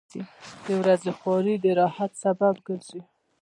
• د ورځې خواري د راحت سبب ګرځي.